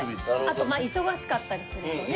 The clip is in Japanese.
あと忙しかったりするとね。